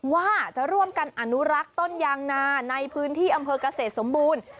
ว่าจะร่วมกันอนุรักษ์ต้นยางนาในพื้นที่อำเภอกเกษตรสมบูรณ์